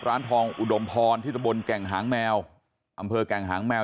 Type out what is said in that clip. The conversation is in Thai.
ร้านทองอุดมพรที่ตะบนแก่งหางแมวอำเภอแก่งหางแมว